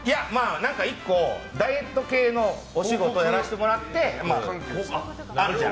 １個、ダイエット系のお仕事をやらせてもらって。